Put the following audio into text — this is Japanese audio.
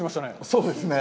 そうですね。